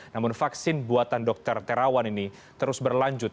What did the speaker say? namun vaksin buatan dr terawan ini terus berlanjut